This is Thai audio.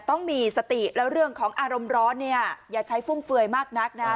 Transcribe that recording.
ต้องมีสติแล้วเรื่องของอารมณ์ร้อนเนี่ยอย่าใช้ฟุ่มเฟือยมากนักนะฮะ